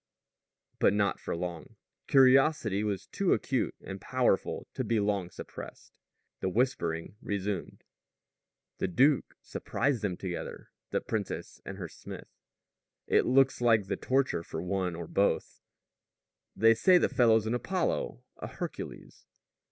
But not for long. Curiosity was too acute and powerful to be long suppressed. The whispering resumed: "The duke surprised them together the princess and her smith." "It looks like the torture for one or both." "They say the fellow's an Apollo, a Hercules."